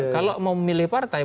kalau mau memilih partai